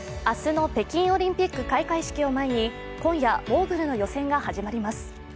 明日の北京オリンピック開会式を前に今夜、モーグルの予選が始まります